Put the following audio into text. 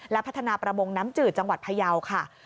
และพัฒนาประมงน้ำจืดจังหวัดพยาวค่ะ